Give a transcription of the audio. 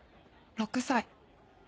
６歳。